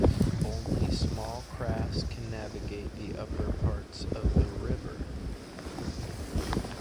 Only small crafts can navigate the upper parts of the river.